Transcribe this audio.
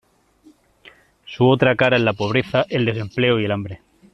Su otra cara es la pobreza, el desempleo y el hambre.